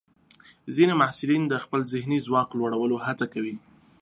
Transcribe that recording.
ځینې محصلین د خپل ذهني ځواک لوړولو هڅه کوي.